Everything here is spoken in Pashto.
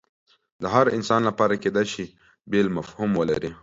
د هر انسان لپاره کیدای شي بیل مفهوم ولري